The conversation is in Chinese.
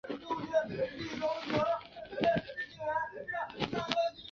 三角招潮为沙蟹科招潮蟹属的动物。